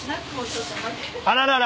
あららら。